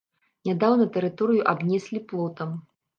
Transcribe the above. Нядаўна тэрыторыю абнеслі плотам.